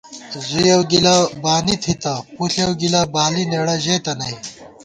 زُویېؤ گِلہ بانی تھِتہ ، پݪېؤ گِلہ بالی نېڑہ ژېتہ نئ